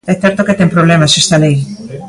É certo que ten problemas esta lei.